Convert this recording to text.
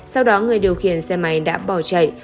sau đó người điều khiển xe máy đã bỏ chạy